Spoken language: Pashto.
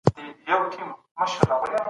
که تعلیمي وسایل کار وکړي، درس نه درېږي.